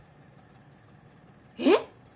えっ！？